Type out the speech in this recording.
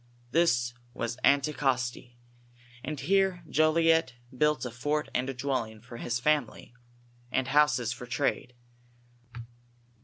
This was Anticosti, and here Jolliet built a fort and a dwelling for his family, and houses for trade.